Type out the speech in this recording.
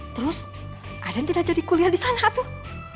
terus kadang tidak jadi kuliah di sana tuh